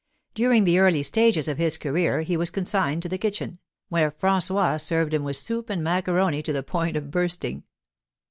During the early stages of his career he was consigned to the kitchen, where François served him with soup and macaroni to the point of bursting.